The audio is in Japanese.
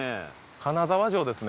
金沢城ですね